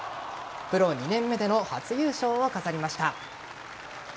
プロ２年目での初優勝を飾りました。